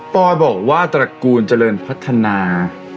ปอยบอกว่าตระกูลเจริญพัฒนา